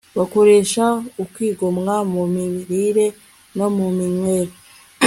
bakoresha ukwigomwa mu mirire no mu minywere